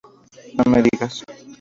No Me Digas!